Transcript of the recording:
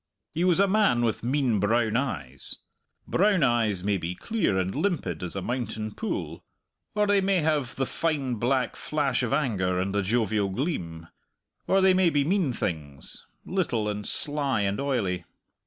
He was a man with mean brown eyes. Brown eyes may be clear and limpid as a mountain pool, or they may have the fine black flash of anger and the jovial gleam, or they may be mean things little and sly and oily.